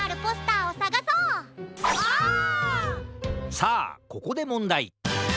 さあここでもんだい。